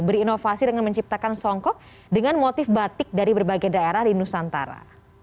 berinovasi dengan menciptakan songkok dengan motif batik dari berbagai daerah di nusantara